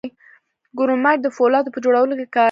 کرومایټ د فولادو په جوړولو کې کارول کیږي.